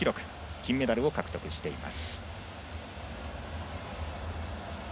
金メダルを獲得しています。